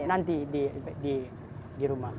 nanti di rumah